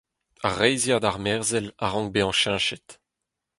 Ar reizhiad armerzhel a rank bezañ cheñchet.